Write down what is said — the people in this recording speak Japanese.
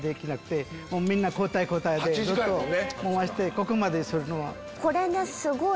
ここまでするのは。